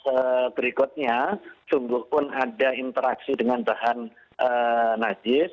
terus berikutnya sungguh pun ada interaksi dengan bahan najis